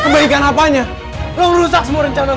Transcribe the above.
kebaikan apanya lo rusak semua rencana